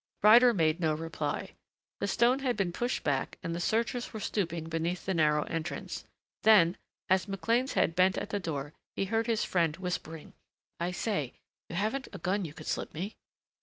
Ryder made no reply. The stone had been pushed back and the searchers were stooping beneath the narrow entrance. Then as McLean's head bent at the door he heard his friend whispering, "I say you haven't a gun you could slip me